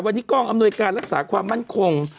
วันนี้กองอำนวยการรักษาความมั่นคง